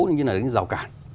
như là những rào cản